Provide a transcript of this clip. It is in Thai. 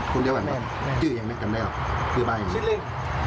๕คนเรียกเกือบที่ไหน